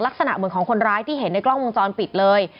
ลักษณะเหมือนของคนร้ายที่เห็นในกล้องวงจรปิดเลย